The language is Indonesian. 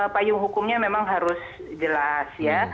payung hukumnya memang harus jelas ya